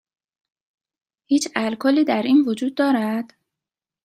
هیچ الکلی در این وجود دارد؟